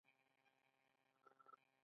د ایران ملي سرود لنډ او حماسي دی.